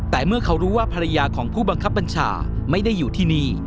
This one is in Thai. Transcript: แต่เมื่อเขารู้ว่าภรรยาของผู้บังคับบัญชาไม่ได้อยู่ที่นี่